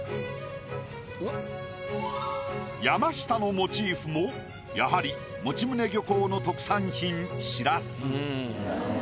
山下のモチーフもやはり用宗漁港の特産品しらす。